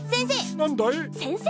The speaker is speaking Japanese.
なんだい？